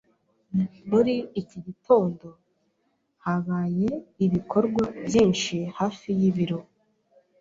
Muri iki gitondo habaye ibikorwa byinshi hafi y'ibiro.